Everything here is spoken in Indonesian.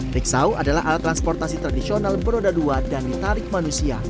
riksau adalah alat transportasi tradisional beroda dua dan ditarik manusia